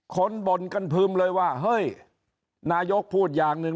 บ่นกันพึมเลยว่าเฮ้ยนายกพูดอย่างหนึ่ง